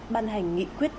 ban hành nghị quyết